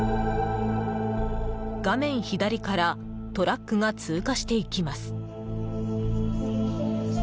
画面左からトラックが通過していきます。